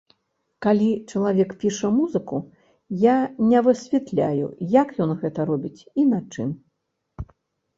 Калі чалавек піша музыку, я не высвятляю, як ён гэта робіць і на чым.